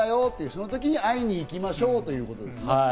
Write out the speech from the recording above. その時に会いに行きましょうということですね。